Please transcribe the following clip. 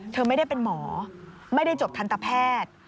เธอไม่ได้เป็นหมอไม่ได้จบทันตแพทย์